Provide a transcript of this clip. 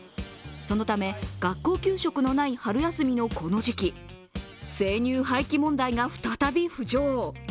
そのため学校給食のない春休みのこの時期、生乳廃棄問題が再び浮上。